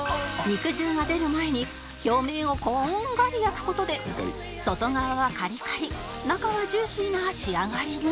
肉汁が出る前に表面をこんがり焼く事で外側はカリカリ中はジューシーな仕上がりに